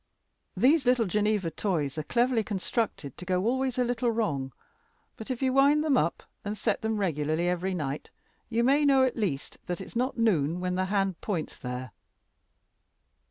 "These little Geneva toys are cleverly constructed to go always a little wrong. But if you wind them up and set them regularly every night, you may know at least that it's not noon when the hand points there."